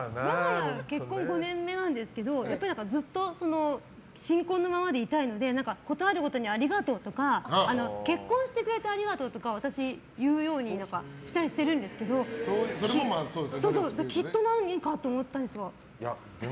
結婚５年目なんですけどずっと新婚のままでいたいので事あるごとに、ありがとうとか結婚してくれてありがとうとか私、言うようにしたりしてるんですけどきっと何かあると思ったんですけど。